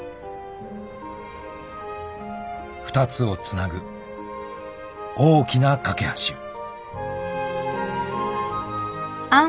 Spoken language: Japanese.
［２つをつなぐ大きな懸け橋を］